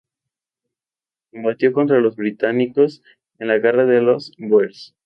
Combatió contra los británicos en la guerra de los Bóers.